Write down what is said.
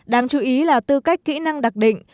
đáng chú ý là tư cách kỹ năng đặc định